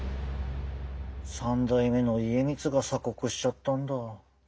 三代目の家光が鎖国しちゃったんだ。